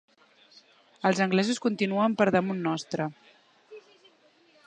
Els anglesos continuen per damunt nostre.